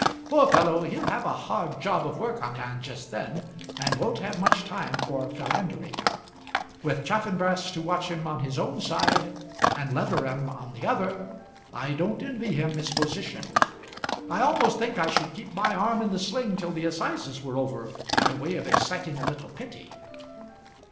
Poor fellow, he'll have a hard job of work on hand just then, and won't have much time for philandering. With Chaffanbrass to watch him on his own side, and Leatherham on the other, I don't envy him his position. I almost think I should keep my arm in the sling till the assizes were over, by way of exciting a little pity."